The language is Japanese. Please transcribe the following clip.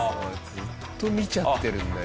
ずっと見ちゃってるんだよ。